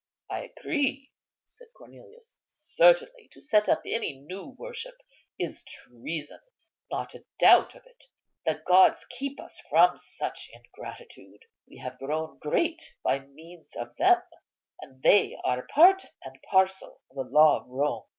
"I agree," said Cornelius; "certainly, to set up any new worship is treason; not a doubt of it. The gods keep us from such ingratitude! We have grown great by means of them, and they are part and parcel of the law of Rome.